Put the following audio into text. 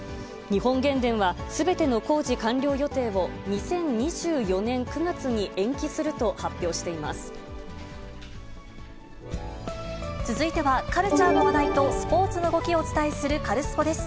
日本原電は、すべての工事完了予定を２０２４年９月に延期すると発表していま続いては、カルチャーの話題とスポーツの動きをお伝えするカルスポっ！です。